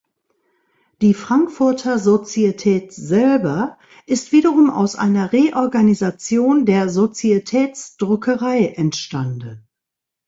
Die Frankfurter Societät selber ist wiederum aus einer Reorganisation der Societäts-Druckerei entstanden.